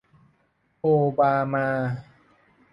โอบามา